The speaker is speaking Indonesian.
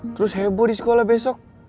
terus heboh di sekolah besok